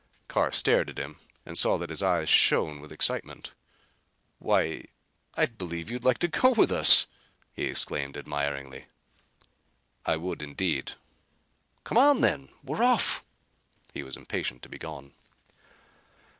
Carr stared at him and saw that his eyes shone with excitement. "Why, I believe you'd like to go with us!" he exclaimed admiringly. "I would, indeed." "Come on then. We're off." He was impatient to be gone.